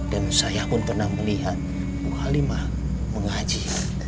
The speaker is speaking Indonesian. dan saya pun pernah melihat ibu halimah menghaji